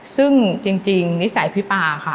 ซึ่งจริงนิสัยพี่ป่าค่ะ